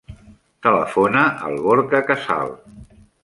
Telefona al Gorka Casal.